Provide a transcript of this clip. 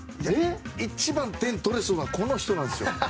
一番、点を取れそうなのはこの人なんです。